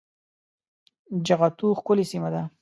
جغتو ښکلې سيمه ده